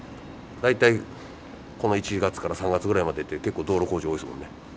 大体この１月から３月ぐらいまでって結構道路工事多いっすもんね。